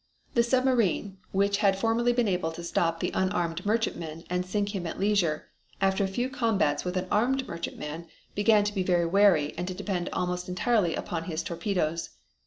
The submarine, which had formerly been able to stop the unarmed merchantman and sink him at leisure, after a few combats with an armed merchantman began to be very wary and to depend almost entirely upon his torpedoes.